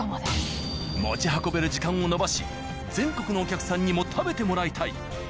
持ち運べる時間を延ばし全国のお客さんにも食べてもらいたい。